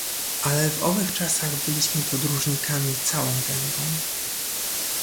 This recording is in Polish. "Ale w owych czasach byliśmy podróżnikami całą gębą!"